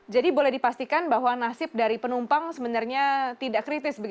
jadi boleh dipastikan bahwa nasib dari penumpang sebenarnya tidak kritis